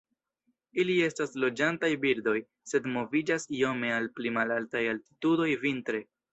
Ili estas loĝantaj birdoj, sed moviĝas iome al pli malaltaj altitudoj vintre.